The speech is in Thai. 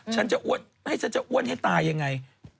ฉันจะอ้วนให้ตายยังไง